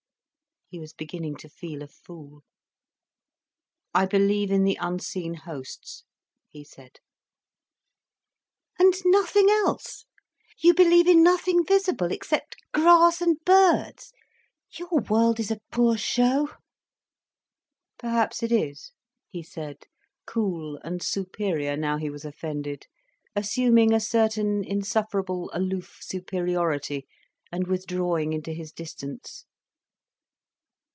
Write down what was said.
He was beginning to feel a fool. "I believe in the unseen hosts," he said. "And nothing else? You believe in nothing visible, except grass and birds? Your world is a poor show." "Perhaps it is," he said, cool and superior now he was offended, assuming a certain insufferable aloof superiority, and withdrawing into his distance.